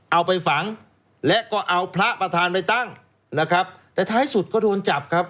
เอาไปฝังและก็เอาพระประธานไปตั้งนะครับแต่ท้ายสุดก็โดนจับครับ